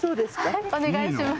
お願いします。